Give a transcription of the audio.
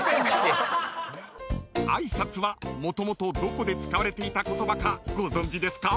［「挨拶」はもともとどこで使われていた言葉かご存じですか？